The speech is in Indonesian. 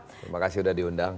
terima kasih sudah diundang